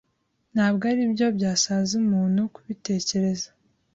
Ntabwo aribyo byasaza umuntu, kubitekereza